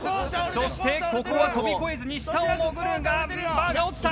そしてここは跳び越えずに下を潜るがバーが落ちた！